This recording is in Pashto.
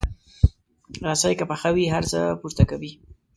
رسۍ که پخه وي، هر څه پورته کوي.